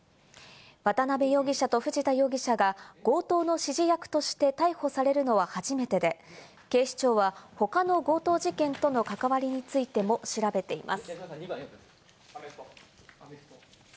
渡辺容疑者と藤田容疑者が強盗の指示役として逮捕されるのは初めてで、警視庁は他の強盗事件との関わりについても調べています。